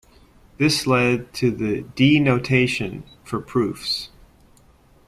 This led to the "D-notation" for proofs.